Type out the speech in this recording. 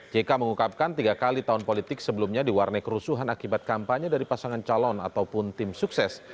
jk mengungkapkan tiga kali tahun politik sebelumnya diwarnai kerusuhan akibat kampanye dari pasangan calon ataupun tim sukses